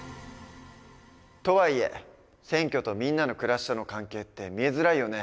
とはいえ選挙とみんなの暮らしとの関係って見えづらいよね。